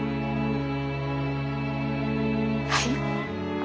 はい。